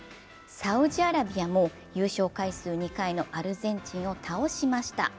サウジアラビアも優勝回数２回のアルゼンチンを倒しました。